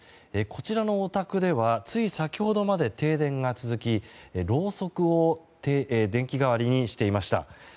こちらのお宅ではつい先ほどまで停電が続きろうそくを電気代わりにしていました。